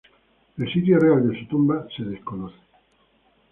El sitio real de su tumba se desconoce.